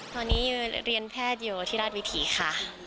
ตอนนี้เรียนแพทย์อยู่ที่ราชวิถีค่ะ